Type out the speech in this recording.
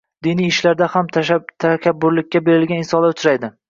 Diniy ishlarda ham takabburlikka berilgan insonlar uchraydi